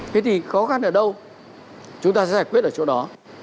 thế thì khó khăn ở đâu chúng ta giải quyết ở chỗ đó